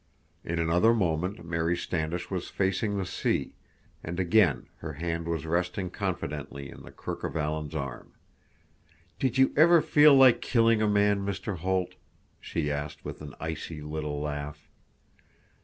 In another moment Mary Standish was facing the sea, and again her hand was resting confidently in the crook of Alan's arm. "Did you ever feel like killing a man, Mr. Holt?" she asked with an icy little laugh.